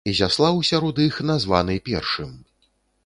Ізяслаў сярод іх названы першым.